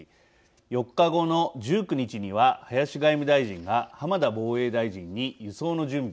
４日後の１９日には林外務大臣が浜田防衛大臣に輸送の準備を依頼。